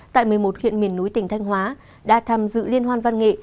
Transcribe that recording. tại một mươi một huyện miền núi tỉnh thanh hóa đã tham dự liên hoan văn nghệ